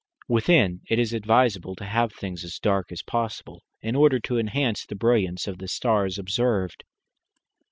Within it is advisable to have things as dark as possible, in order to enhance the brilliance of the stars observed.